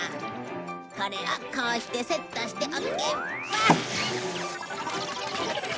これをこうしてセットしておけば。